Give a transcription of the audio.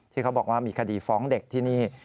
เขาบอกว่ามีคดีฟ้องเด็กที่นี่